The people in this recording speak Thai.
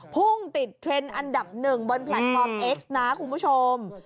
พุ่งติดเทรนด์อันดับหนึ่งบนแพลตฟอร์มเอ็กซ์นะคุณผู้ชม